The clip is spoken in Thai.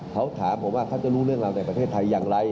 พูดว่าเค้าจะรู้เรื่องราวในประเทศไทยอย่างไร